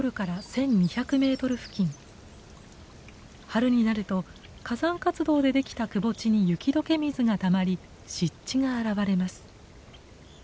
春になると火山活動でできたくぼ地に雪解け水がたまり湿地が現れます。